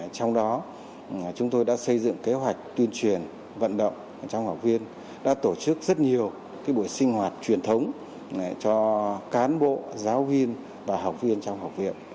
trong đó chúng tôi đã xây dựng kế hoạch tuyên truyền vận động trong học viên đã tổ chức rất nhiều buổi sinh hoạt truyền thống cho cán bộ giáo viên và học viên trong học viện